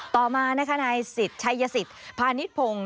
ต่อมาในคณะศิษยศิษย์ภานิษภง